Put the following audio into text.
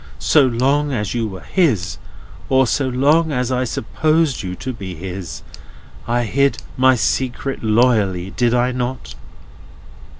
So long as you were his, or so long as I supposed you to be his, I hid my secret loyally. Did I not?"